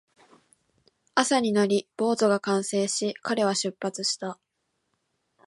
朝になり、ボートが完成し、彼は出発した